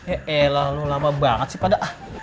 eh elah lu lama banget sih pada